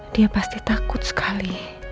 dia pasti takut sekali